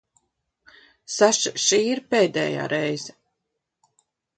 Saša, šī ir pēdējā reize.